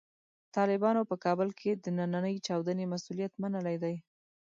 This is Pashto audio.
طالبانو په کابل کې د نننۍ چاودنې مسوولیت منلی دی.